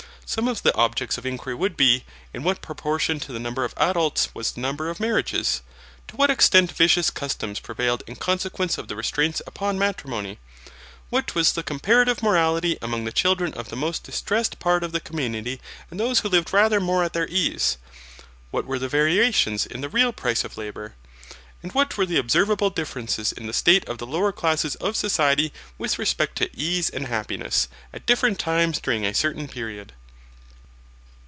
Some of the objects of inquiry would be, in what proportion to the number of adults was the number of marriages, to what extent vicious customs prevailed in consequence of the restraints upon matrimony, what was the comparative mortality among the children of the most distressed part of the community and those who lived rather more at their ease, what were the variations in the real price of labour, and what were the observable differences in the state of the lower classes of society with respect to ease and happiness, at different times during a certain period.